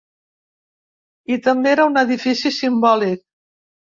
I també era un edifici simbòlic.